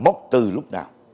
mốc từ lúc nào